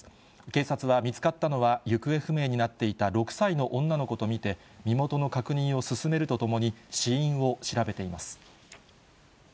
警察は見つかったのは行方不明になっていた６歳の女の子と見て、身元の確認を進めるとともに、死因を調べています。